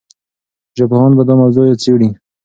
ژبپوهان به دا موضوع څېړي.